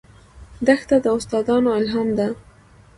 دښته د داستانونو الهام ده.